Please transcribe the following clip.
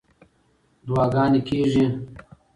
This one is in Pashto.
دعاګانې کېږي.